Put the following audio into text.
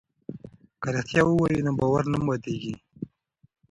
که رښتیا ووایو نو باور نه ماتیږي.